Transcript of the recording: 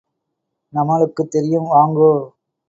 நம்மளுக்குத் தெரியும், வாங்கோ.